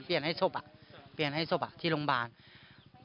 ให้ศพอ่ะเปลี่ยนให้ศพอ่ะที่โรงพยาบาล